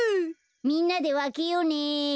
みんなでわけようね。